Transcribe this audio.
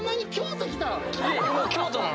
もう京都なの？